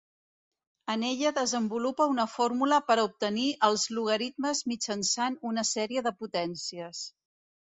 En ella desenvolupa una fórmula per a obtenir els logaritmes mitjançant una sèrie de potències.